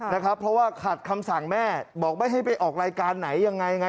นะครับเพราะว่าขัดคำสั่งแม่บอกไม่ให้ไปออกรายการไหนยังไงไง